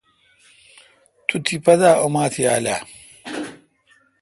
تو تیپہ دا اومات یالہ۔